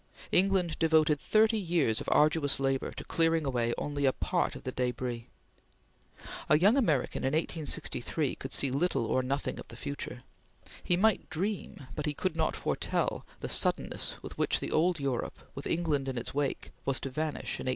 England devoted thirty years of arduous labor to clearing away only a part of the debris. A young American in 1863 could see little or nothing of the future. He might dream, but he could not foretell, the suddenness with which the old Europe, with England in its wake, was to vanish in 1870.